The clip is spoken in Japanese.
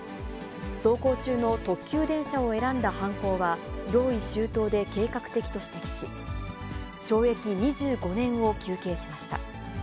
走行中の特急電車を選んだ犯行は、用意周到で計画的と指摘し、懲役２５年を求刑しました。